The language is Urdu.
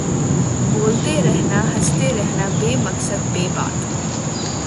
بولتے رہنا ہنستے رہنا بے مقصد بے بات